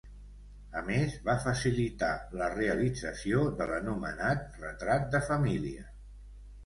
A més, va facilitar la realització de l'anomenat retrat de família.